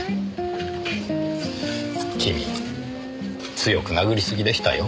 君強く殴り過ぎでしたよ。